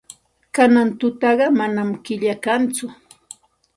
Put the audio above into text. Kanan tutaqa manam killa kanchu.